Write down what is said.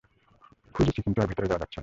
খুঁজেছি কিন্তু আর ভেতরে যাওয়া যাচ্ছে না।